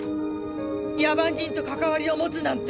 野蛮人と関わりを持つなんて。